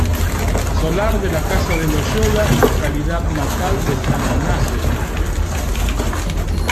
Solar de la Casa de Loyola y localidad natal de San Ignacio de Loyola.